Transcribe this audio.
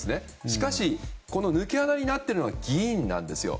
しかし、抜け穴になっているのは議員なんですよ。